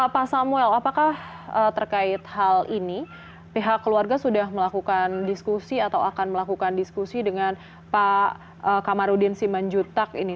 pak samuel apakah terkait hal ini pihak keluarga sudah melakukan diskusi atau akan melakukan diskusi dengan pak kamarudin simanjutak ini